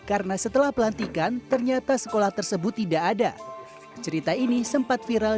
karena setelah pelantikan ternyata sekolah tersebut tidak ada cerita ini sempat viral